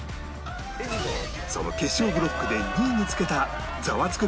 その決勝ブロックで２位につけたザワつく！